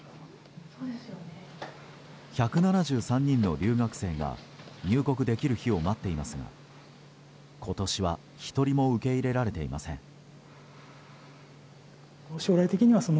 １７３人の留学生が入国できる日を待っていますが今年は１人も受け入れられていません。